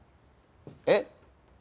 えっ！？